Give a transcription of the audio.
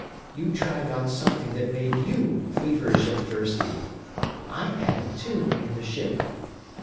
You tried out something that made you feverish and thirsty. I had it too, in the ship.